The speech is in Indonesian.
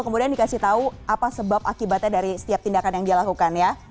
kemudian dikasih tahu apa sebab akibatnya dari setiap tindakan yang dia lakukan ya